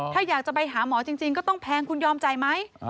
ถ้าอยากจะไปหาหมอจริงก็ต้องแพงคุณยอมจ่ายไหม